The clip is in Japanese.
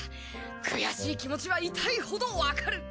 悔しい気持ちは痛いほどわかる。